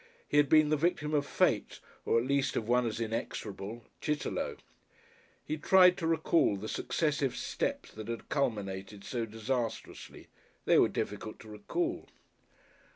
He had been the Victim of Fate, or at least of one as inexorable Chitterlow. He tried to recall the successive steps that had culminated so disastrously. They were difficult to recall....